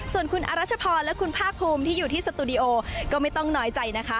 ส่วนคุณอรัชพรและคุณภาคภูมิที่อยู่ที่สตูดิโอก็ไม่ต้องน้อยใจนะคะ